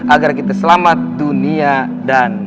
agar kita selamat dunia dan